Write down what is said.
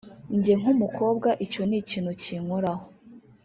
njye nk’umukobwa icyo ni ikintu kinkoraho